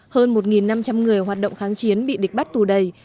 hơn một năm trăm linh người hoạt động kháng chiến bị địch bắt tù đầy